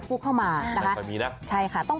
เรื่องของโชคลาบนะคะ